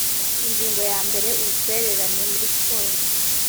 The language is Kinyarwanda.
ingingo ya mbere ubutwererane muri siporo